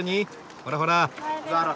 ほらほら。